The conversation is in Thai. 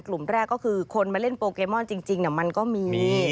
กลุ่มแรกก็คือคนมาเล่นโปเกมอนจริงมันก็มี